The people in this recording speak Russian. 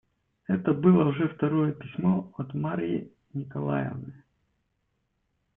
Это было уже второе письмо от Марьи Николаевны.